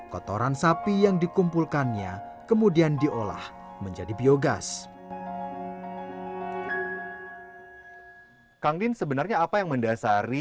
kotoran sapi yang dikumpulkannya kemudian diolah menjadi biogas